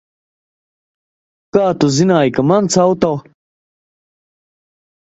Kā tu zināji, ka mans auto?